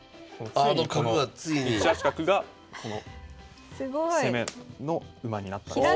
ついにこの１八角が攻めの馬になったんですね。